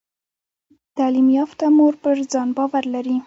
تعلیم یافته مور پر ځان باور لري۔